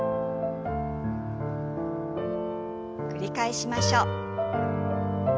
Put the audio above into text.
繰り返しましょう。